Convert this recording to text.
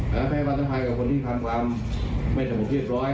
และไม่พลังติดชัยกับคนที่ทำการไม่สมบูรณ์เพียงจร้อย